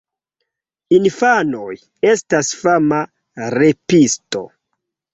Infanoj: "Estas fama repisto!"